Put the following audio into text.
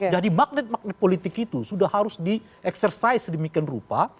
jadi magnet magnet politik itu sudah harus di exercise sedemikian rupa